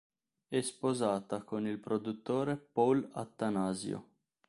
È sposata con il produttore Paul Attanasio.